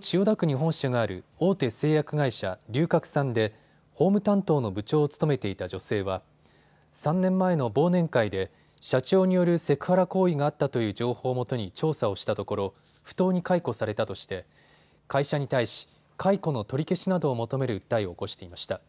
千代田区に本社がある大手製薬会社、龍角散で法務担当の部長を務めていた女性は３年前の忘年会で社長によるセクハラ行為があったという情報をもとに調査をしたところ不当に解雇されたとして会社に対し解雇の取り消しなどを求める訴えを起こしていました。